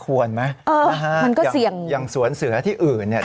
มันไม่ควรไหมอย่างสวนเสือที่อื่น